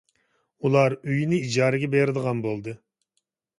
ئۇلار ئۆيىنى ئىجارىگە بېرىدىغان بولدى.